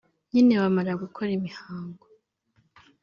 nyine bamara gukora imihango